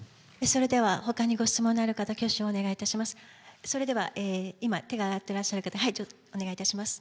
それでは、ほかにご質問のある方、挙手をお願いいたします。